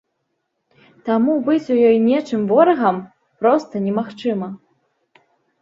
Таму быць у ёй нечым ворагам проста немагчыма.